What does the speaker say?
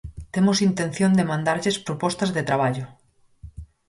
Temos intención de mandarlles propostas de traballo.